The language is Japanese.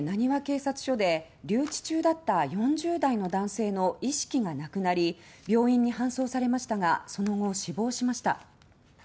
昨日大阪府警・浪速警察署で留置中だった４０代の男性の意識がなくなり病院に搬送されましたがその後死亡しました。